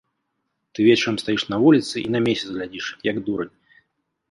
Ты вечарам стаіш на вуліцы і на месяц глядзіш, як дурань.